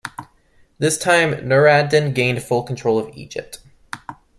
This time Nur ad-Din gained full control of Egypt.